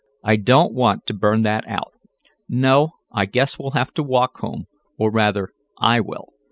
I don't want to burn that out. No, I guess we'll have to walk home, or rather I will.